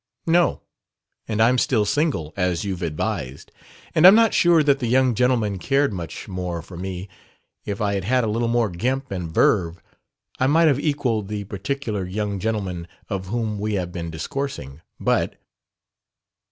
"No. And I'm still single, as you're advised. And I'm not sure that the young gentlemen cared much more for me. If I had had a little more 'gimp' and verve, I might have equalled the particular young gentleman of whom we have been discoursing. But...."